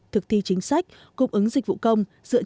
thực thi chính sách cung ứng dịch vụ công